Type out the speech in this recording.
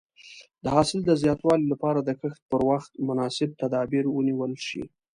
د حاصل د زیاتوالي لپاره د کښت پر وخت مناسب تدابیر ونیول شي.